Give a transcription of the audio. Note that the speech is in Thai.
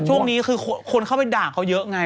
ช่วงนี้คือคนเข้าไปด่าเขาเยอะไง